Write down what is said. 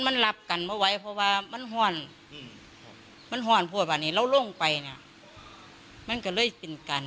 มันก็เลยเป็นการช็อกไปเลย